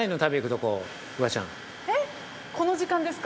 この時間ですか？